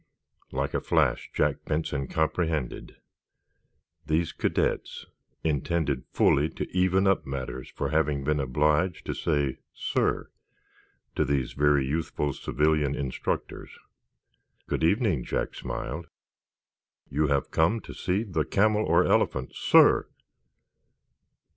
Like a flash Jack Benson comprehended. These cadets intended fully to even up matters for having been obliged to say "sir" to these very youthful "civilian instructors." "Good evening," Jack smiled. "You have come to see the camelroorelephant, SIR?"